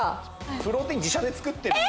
プロテイン自社で作ってるんで。